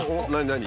何？